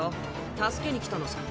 助けに来たのさ。